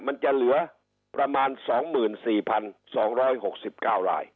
มันจะเหลือประมาณ๒๔๒๖๙ราย